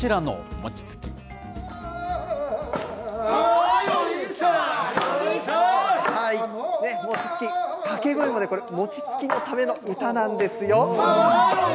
餅つき、掛け声も餅つきのための歌なんですよ。